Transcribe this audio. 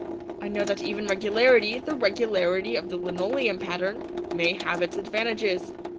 I know that even regularity the regularity of the linoleum pattern may have its advantages.